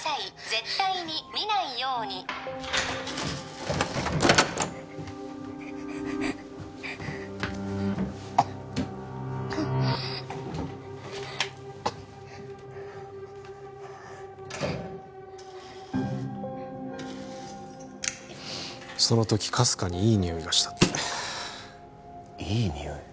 絶対に見ないようにその時かすかにいいにおいがしたっていいにおい？